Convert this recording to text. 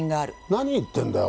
何言ってんだよ